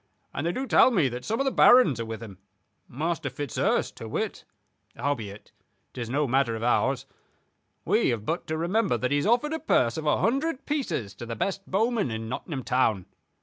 And they do tell me that some of the barons are with him, Master Fitzurse to wit. Howbeit, 'tis no matter of ours. We have but to remember that he has offered a purse of a hundred pieces to the best bowman in Nottingham town.